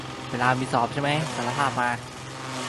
เวลามีสอบใช่ไหม สารภาพมา